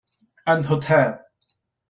An hotel.